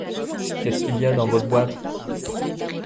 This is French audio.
Qu'est-ce qu'il y a dans votre boîte ?